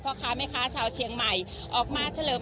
เพราะค่ะชาวเชียงใหม่ออกมาเฉลิม